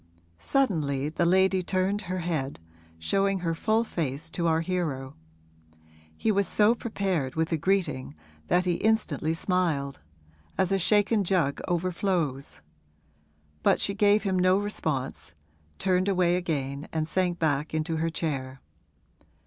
Suddenly the lady turned her head, showing her full face to our hero. He was so prepared with a greeting that he instantly smiled, as a shaken jug overflows; but she gave him no response, turned away again and sank back in her chair.